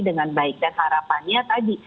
dengan baik dan harapannya tadi